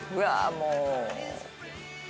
もう。